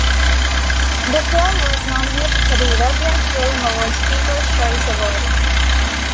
The film was nominated for the European Film Awards People's Choice Award.